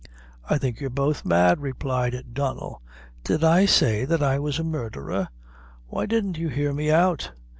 "I think you're both mad," replied Donnel. "Did I say that I was a murdherer? Why didn't you hear me out?"